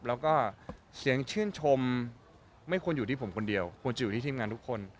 แล้วก็เสียงชื่นชมไม่ควรอยู่ที่ผมคนเดียวควรจะอยู่ที่ทีมงานทุกคน